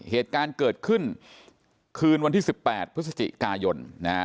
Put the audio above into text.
เหตุการณ์เกิดขึ้นคืนวันที่๑๘พฤศจิกายนนะฮะ